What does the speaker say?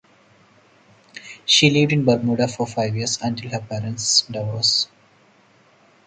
She lived in Bermuda for five years, until her parents' divorce.